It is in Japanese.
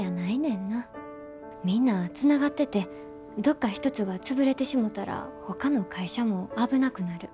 みんなつながっててどっか一つが潰れてしもたらほかの会社も危なくなる。